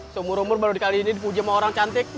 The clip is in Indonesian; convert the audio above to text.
semuruh muruh baru kali ini dipuji sama orang cantik